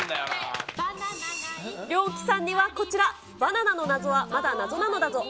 リョウキさんにはこちら、バナナの謎はまだ謎なのだぞ。